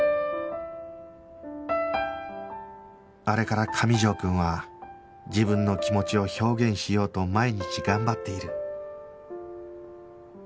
あれから上条くんは自分の気持ちを表現しようと毎日頑張っている